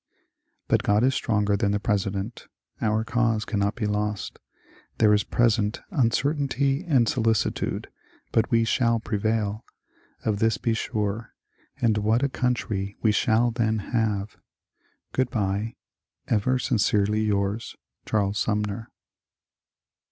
But God is stronger than the President. Our cause cannot be lost. There is present uncertainly and solicitude, but we shall prevail. Of this be sure, and what a country we shall then have ! Good bye I Ever sincerely yours, Charles Sumner.